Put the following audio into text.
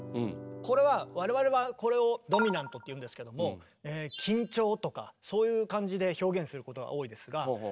これは我々はこれをドミナントっていうんですけども緊張とかそういう感じで表現することが多いですがこれが。